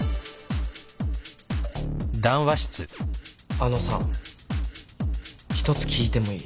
あのさ一つ聞いてもいい？